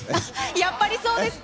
やっぱりそうですか。